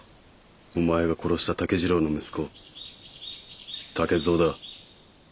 お前が殺した竹次郎の息子竹蔵だ。